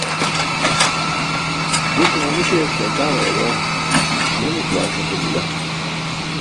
Buśe mamu śeyas ce ataġayabaa, yuumus laaś axoljila.